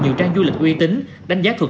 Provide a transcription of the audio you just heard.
nhiều trang du lịch uy tính đánh giá thuộc